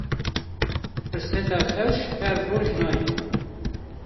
Firseta xewş her roj nayê